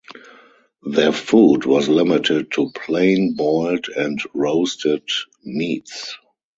Their food was limited to plain boiled and roasted meats.